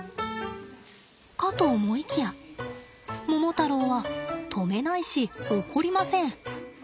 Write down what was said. かと思いきやモモタロウは止めないし怒りません。